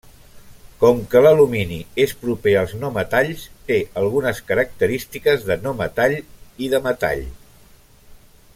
Com que l'alumini és proper als no-metalls, té algunes característiques de no-metall i de metall.